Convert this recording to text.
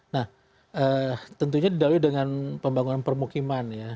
nah tentunya didalui dengan pembangunan permukiman ya